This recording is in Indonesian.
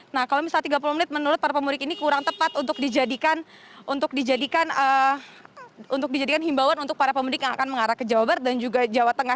nah kalau misalnya tiga puluh menit menurut para pemudik ini kurang tepat untuk dijadikan untuk dijadikan himbawan untuk para pemudik yang akan mengarah ke jawa barat dan juga jawa tengah